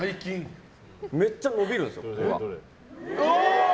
めっちゃ伸びるんですよ。